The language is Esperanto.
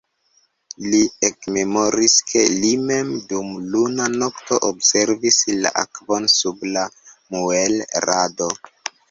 Li ekmemoris, ke li mem, dum luna nokto, observis la akvon sub la muelrado.